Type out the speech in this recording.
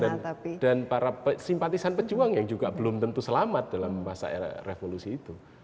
dan wajah wajah pejuang dan para simpatisan pejuang yang juga belum tentu selamat dalam masa revolusi itu